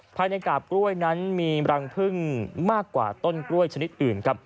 ภายในกาบกล้วยนั้นมีรังพึ่งมากกว่าต้นกล้วยชนิดอื่นครับ